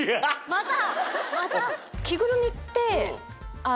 また？